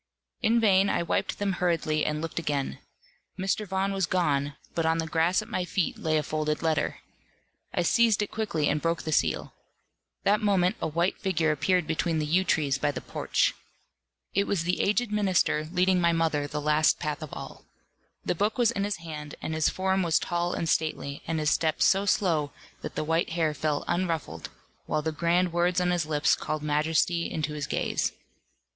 In vain I wiped them hurriedly and looked again. Mr. Vaughan was gone; but on the grass at my feet lay a folded letter. I seized it quickly, and broke the seal. That moment a white figure appeared between the yew trees by the porch. It was the aged minister leading my mother the last path of all. The book was in his hand, and his form was tall and stately, and his step so slow, that the white hair fell unruffled, while the grand words on his lips called majesty into his gaze.